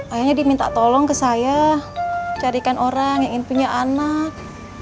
akhirnya diminta tolong ke saya carikan orang yang ingin punya anak